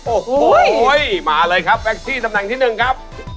โอ้โหมาเลยครับแก๊กซี่ตำแหน่งที่หนึ่งครับ